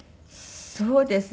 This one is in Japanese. そうですね。